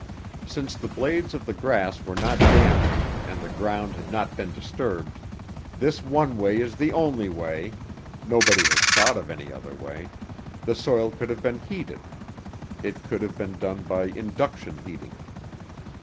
Since the blades of the grass were not damaged and the ground had not been disturbed, this one way is the only way (nobody has thought of any other way) the soil could have been heated. It could have been done by induction heating.